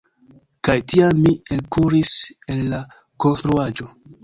Kaj tiam mi elkuris el la konstruaĵo.